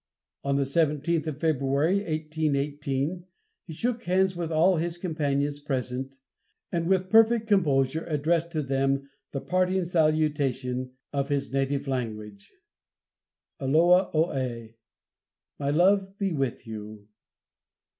On the 17th of February, 1818, he shook hands with all his companions present, and with perfect composure addressed to them the parting salutation of his native language, "Alloah ò e" "my love be with you."